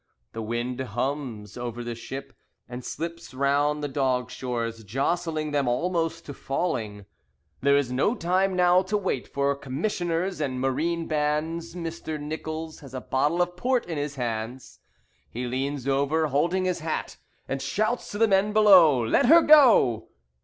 The wind hums over the ship, And slips round the dog shores, Jostling them almost to falling. There is no time now to wait for Commissioners and marine bands. Mr. Nichols has a bottle of port in his hands. He leans over, holding his hat, and shouts to the men below: "Let her go!"